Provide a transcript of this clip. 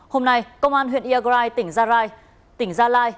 hôm nay công an huyện yagrai tỉnh gia lai